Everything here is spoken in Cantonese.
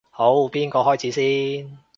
好，邊個開始先？